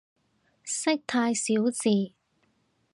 識太少字